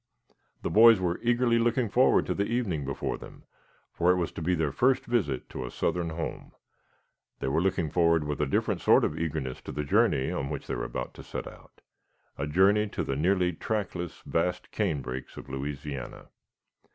The boys were eagerly looking forward to the evening before them, for it was to be their first visit to a southern home. They were looking forward with a different sort of eagerness to the journey on which they were about to set out a journey to the nearly trackless, vast canebrakes of Louisiana.